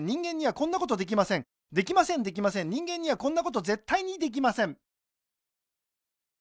できませんできません人間にはこんなことぜったいにできません